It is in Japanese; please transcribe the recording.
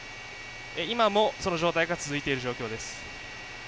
今もその状態が続いている状況です。